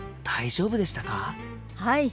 はい。